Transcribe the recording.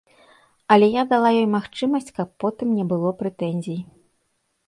Але я дала ёй магчымасць, каб потым не было прэтэнзій.